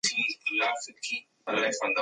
ایا د کلاګانو دروازې د اوسپنې لاستي لرل؟